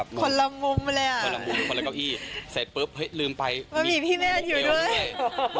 พี่แมน